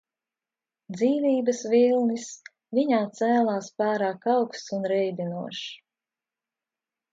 Dzīvības vilnis viņā cēlās pārāk augsts un reibinošs.